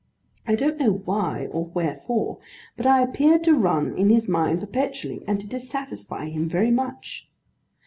I don't know why or wherefore, but I appeared to run in his mind perpetually, and to dissatisfy him very much.